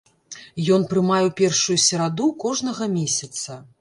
Ён прымае ў першую сераду кожнага месяца.